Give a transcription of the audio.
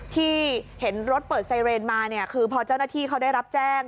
ที่เห็นรถเปิดไซเรนมาเนี่ยคือพอเจ้าหน้าที่เขาได้รับแจ้ง